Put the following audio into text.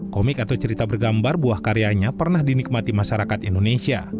komik atau cerita bergambar buah karyanya pernah dinikmati masyarakat indonesia